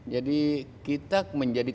jadi kita menjadi